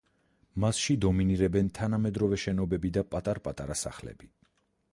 მასში დომინირებენ თანამედროვე შენობები და პატარ-პატარა სახლები.